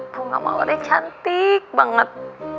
bunga mawar yang cantik banget